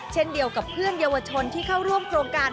เช่นเดียวกับเพื่อนเยาวชนที่เข้าร่วมโครงการ